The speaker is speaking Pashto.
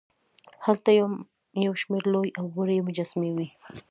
هلته هم یوشمېر لوې او وړې مجسمې وې.